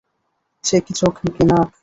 সে কী চোখ, কী নাক!